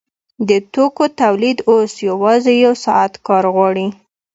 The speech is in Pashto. د توکو تولید اوس یوازې یو ساعت کار غواړي